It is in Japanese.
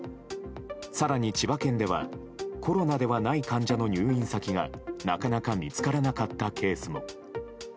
更に千葉県ではコロナではない患者の入院先がなかなか見つからなかったケースも。